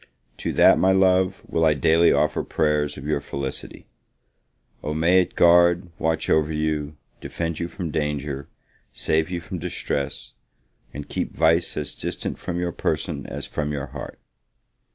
To that, my love, will I daily offer prayers for your felicity. O may it guard, watch over you, defend you from danger, save you from distress, and keep vice as distant from your person as from your heart!